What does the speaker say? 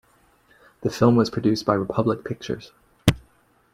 The film was produced by Republic Pictures.